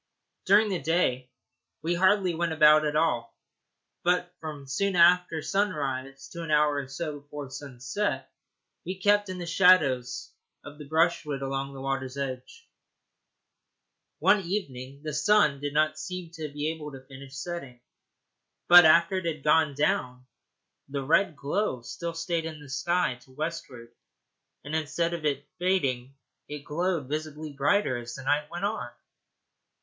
During the day we hardly went about at all, but from soon after sunrise to an hour or so before sunset we kept in the shadow of the brushwood along the water's edge. One evening the sun did not seem to be able to finish setting, but after it had gone down the red glow still stayed in the sky to westward, and instead of fading it glowed visibly brighter as the night went on.